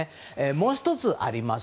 もう１つあります。